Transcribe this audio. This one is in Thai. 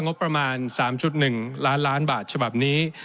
งบประมาณ๓๑ล้านล้านบาทฉบับนี้